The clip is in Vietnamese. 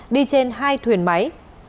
đi trên hai thuyền máy